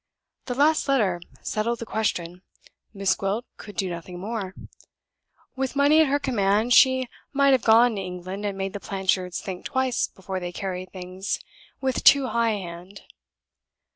That last letter settled the question Miss Gwilt could do nothing more. With money at her command, she might have gone to England and made the Blanchards think twice before they carried things with too high a hand.